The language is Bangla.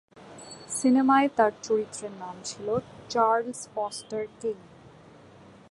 সিনেমায় তার চরিত্রের নাম ছিল চার্লস ফস্টার কেইন।